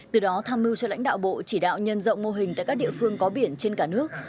từ đó tham mưu cho lãnh đạo bộ chỉ đạo nhân rộng mô hình tại các địa phương có biển trên cả nước